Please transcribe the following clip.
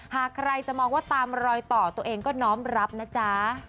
หากใครจะมองว่าตามรอยต่อตัวเองก็น้อมรับนะจ๊ะ